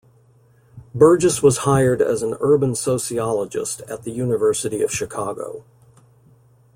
Burgess was hired as an urban sociologist at the University of Chicago.